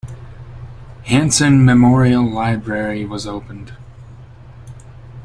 Hansen Memorial Library was opened.